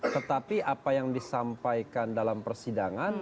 tetapi apa yang disampaikan dalam persidangan